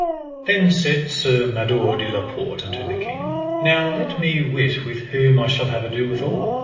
Then said Sir Mador de la Porte unto the king: Now let me wit with whom I shall have ado withal.